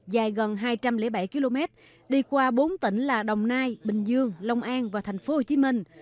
dài gần hai trăm linh bảy km đi qua bốn tỉnh là đồng nai bình dương long an và thành phố hồ chí minh